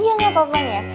iya gak apa apa ya